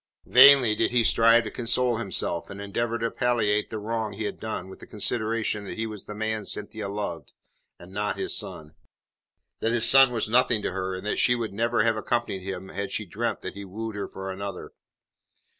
Vainly did he strive to console himself and endeavour to palliate the wrong he had done with the consideration that he was the man Cynthia loved, and not his son; that his son was nothing to her, and that she would never have accompanied him had she dreamt that he wooed her for another.